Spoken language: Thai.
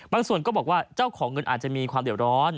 ก็บอกว่าเจ้าของเงินอาจจะมีความเดี่ยวร้อน